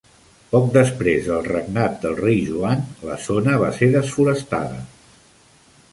Poc després del regnat del Rei Joan, la zona va ser desforestada.